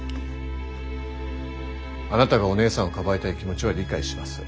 あなたがお姉さんをかばいたい気持ちは理解します。